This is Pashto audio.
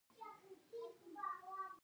د خولې د بد بوی لپاره هل وخورئ